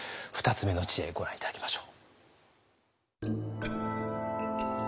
２つ目の知恵ご覧頂きましょう。